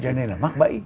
cho nên là mắc bẫy